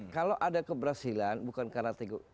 kalau ada keberhasilan bukan karena teguh